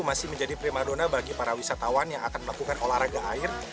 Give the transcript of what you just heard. masih menjadi prima dona bagi para wisatawan yang akan melakukan olahraga air